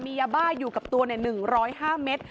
มียาบ้าอยู่กับตัว๑๐๕เมตร